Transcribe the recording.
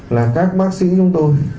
là các bác sĩ chúng tôi